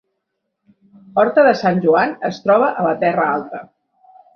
Horta de Sant Joan es troba a la Terra Alta